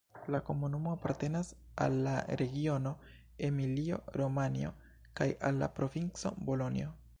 La komunumo apartenas al la regiono Emilio-Romanjo kaj al la provinco Bolonjo.